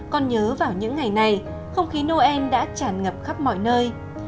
con nhớ vào những ngày này không khí noel đã tràn ngập khắp mọi nơi